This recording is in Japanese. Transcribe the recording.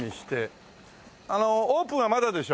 あのオープンはまだでしょう？